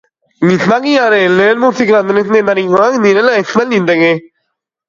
Gizakiaren lehen musika-tresnetarikoak direla esan liteke.